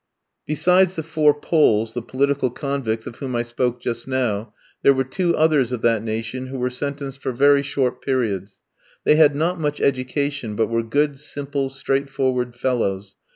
Besides the four Poles, the political convicts of whom I spoke just now, there were two others of that nation, who were sentenced for very short periods; they had not much education, but were good, simple, straightforward fellows.